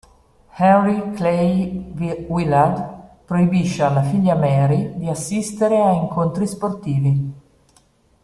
Henry Clay Willard proibisce alla figlia Mary di assistere a incontri sportivi.